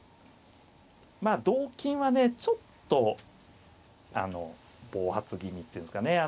まあ同金はねちょっと暴発気味っていうんですかね。